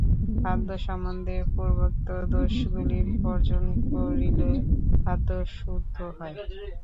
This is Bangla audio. খাদ্য সম্বন্ধে পূর্বোক্ত দোষগুলি বর্জন করিলে খাদ্য শুদ্ধ হয়।